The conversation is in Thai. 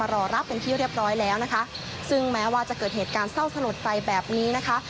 รอรับเป็นที่เรียบร้อยแล้วนะคะซึ่งแม้ว่าจะเกิดเหตุการณ์เศร้าสลดไปแบบนี้นะคะ